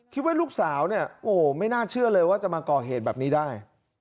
คิดว่าลูกสาวเนี่ยโอ้ไม่น่าเชื่อเลยว่าจะมาก่อเหตุแบบนี้ได้